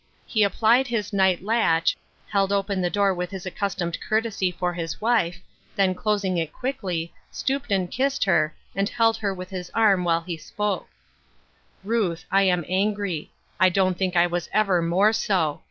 He applied his night latch, held open the door with his accustomed courtesy for his wife, then closing it quickly, stooped and kissed her, and held her with his arm while he spoke :—" Ruth, I am angry ; I don't think I was ever more so.